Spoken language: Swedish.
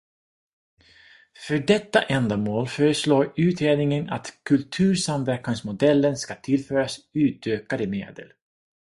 För detta ändamål föreslår utredningen att kultursamverkansmodellen ska tillföras utökade medel.